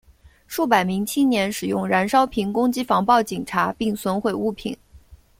数百名青年使用燃烧瓶攻击防暴警察并损毁物品。